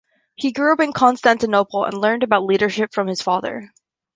He grew up in Constantinople and learned about leadership from his father.